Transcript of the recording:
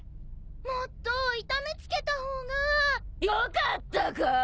もっと痛めつけた方がよかったかぁ？